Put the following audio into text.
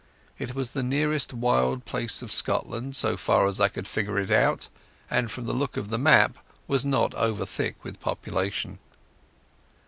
It was the nearest wild part of Scotland, so far as I could figure it out, and from the look of the map was not over thick with population.